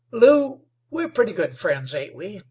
"Lew, we're pretty good friends, ain't we?"